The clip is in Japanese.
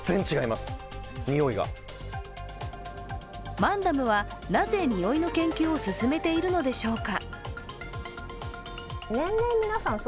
マンダムは、なぜにおいの研究を進めているのでしょうか。